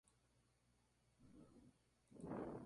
Tiene su sede en Rialto.